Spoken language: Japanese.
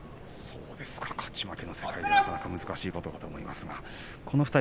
勝ち負けの世界ではなかなか難しいことだと思います。